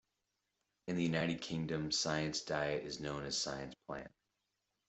In the United Kingdom, Science Diet is known as Science Plan.